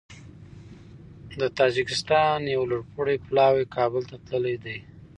د تاجکستان یو لوړپوړی پلاوی کابل ته تللی دی